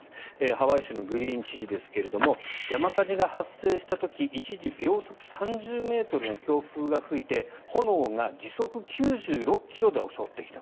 ハワイ州のグリーン知事ですが山火事が発生した時一時、秒速３０ｍの強風が吹いて炎が時速９６ｋｍで襲ってきた。